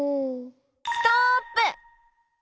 ストップ！